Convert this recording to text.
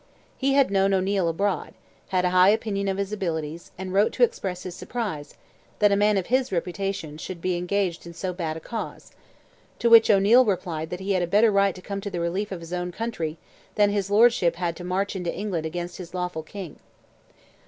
He had known O'Neil abroad, had a high opinion of his abilities, and wrote to express his surprise "that a man of his reputation should be engaged in so bad a cause;" to which O'Neil replied that "he had a better right to come to the relief of his own country than his lordship had to march into England against his lawful King."